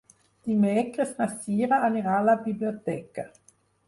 Dimecres na Cira anirà a la biblioteca.